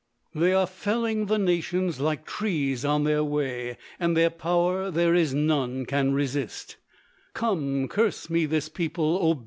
They are felling the nations like trees on their way, And their power there is none can resist; "Come, curse me this people, oh!